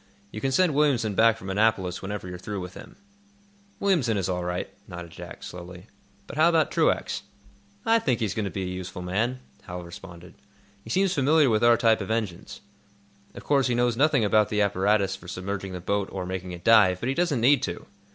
You can send Williamson back from Annapolis whenever you're through with him." "Williamson is all right," nodded Jack, slowly. "But how about Truax?" "I think he's going to be a useful man," Hal responded. "He seems familiar with our type of engines. Of course, he knows nothing about the apparatus for submerging the boat or making it dive. But he doesn't need to.